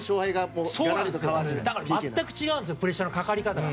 だから、全く違うんですプレッシャーのかかり方が。